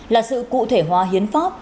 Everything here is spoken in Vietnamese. là sự cụ thể hóa hiến pháp